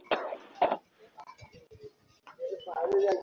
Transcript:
শ্রমিকশ্রেণির অংশ হিসেবে নিজের পরিচয় দেওয়া এখন আমার জন্য খুবই কঠিন।